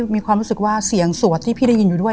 มีความรู้สึกว่าเสียงสวดที่พี่ได้ยินอยู่ด้วย